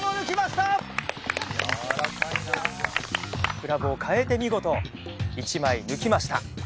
クラブを変えて見事１枚抜きました。